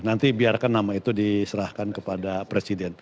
nanti biarkan nama itu diserahkan kepada presiden